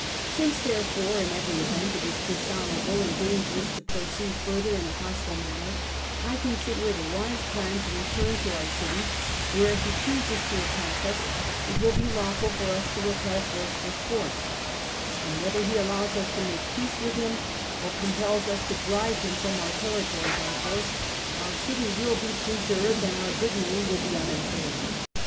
Since therefore in every event it is dishonourable and dangerous to proceed further in a hostile manner, I consider it a wise plan to return to our city, where, if he chooses to attack us, it will be lawful for us to repel force with force ; and whether he allows us to make peace with him, or compels us to drive him from our territory by force, our city will be preserved and our good name will be unimpaired."